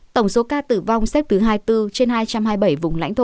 tổng số ca tử vong xếp thứ hai mươi bốn trên hai trăm hai mươi bảy vùng lãnh thổ